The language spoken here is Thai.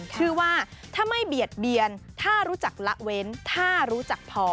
ชื่อว่าถ้าไม่เบียดเบียนถ้ารู้จักละเว้นถ้ารู้จักพอ